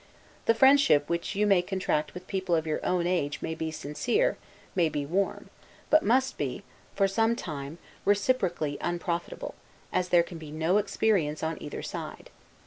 The friendship which you may contract with people of your own age may be sincere, may be warm; but must be, for some time, reciprocally unprofitable, as there can be no experience on either side.